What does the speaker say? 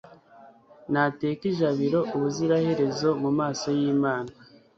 nateke ijabiro ubuziraherezo mu maso y'imana